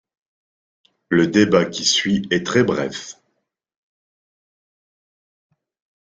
Le débat qui suit est très bref.